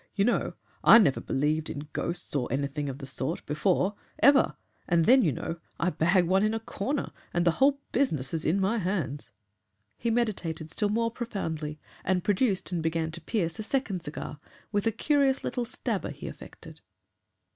You know, I never believed in ghosts or anything of the sort, before, ever; and then, you know, I bag one in a corner; and the whole business is in my hands." He meditated still more profoundly, and produced and began to pierce a second cigar with a curious little stabber he affected.